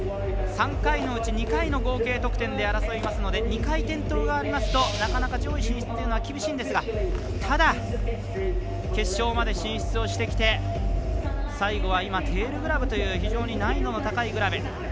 ３回のうち２回の合計得点で争いますので、２回転倒がありますとなかなか上位進出というのは厳しいんですがただ、決勝まで進出をしてきて最後は今、テールグラブという非常に難易度の高いグラブ。